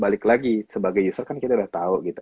balik lagi sebagai user kan kita udah tahu gitu